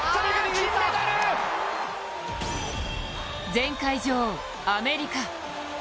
前回女王アメリカ。